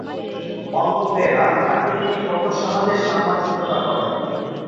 অন্য মেয়েরা তাকে নিয়ে কত সহজে সামাজিকতা করে।